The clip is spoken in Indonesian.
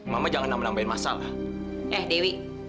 mama jangan menambahin masalah eh dewi